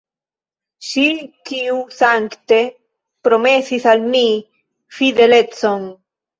Ŝi, kiu sankte promesis al mi fidelecon!